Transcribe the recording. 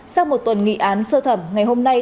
sau một tuần nghị án sơ thẩm ngày hôm nay